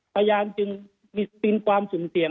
พยายามจึงมีความสูญเฉียง